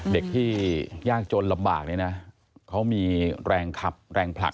เด็กที่ยากจนลำบากนี้นะเขามีแรงขับแรงผลัก